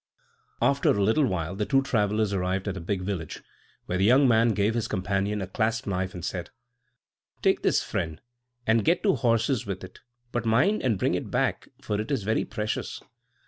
After a little while the two travellers arrived at a big village, where the young man gave his companion a clasp knife, and said, "Take this, friend, and get two horses with it; but mind and bring it back, for it is very precious."